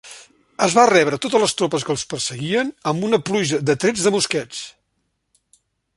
Es va rebre totes les tropes que els perseguien amb una pluja de trets de mosquets.